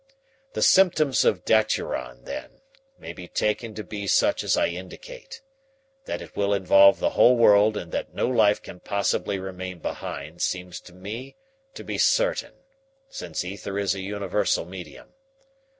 The symptoms of daturon, then, may be taken to be such as I indicate. That it will involve the whole world and that no life can possibly remain behind seems to me to be certain, since ether is a universal medium.